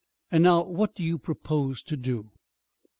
"And now what do you propose to do?"